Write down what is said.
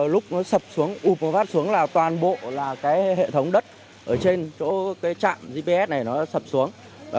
lúc nó sập xuống ụp và vát xuống là toàn bộ hệ thống đất ở trên chỗ trạm gps này nó sập xuống